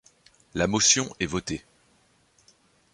La motion est votée.